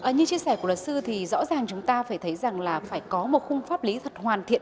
như chia sẻ của luật sư thì rõ ràng chúng ta phải thấy rằng là phải có một khung pháp lý thật hoàn thiện